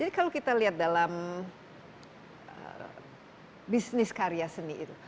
jadi kalau kita lihat dalam bisnis karya seni itu